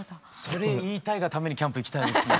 それ言いたいがためにキャンプ行きたいですね。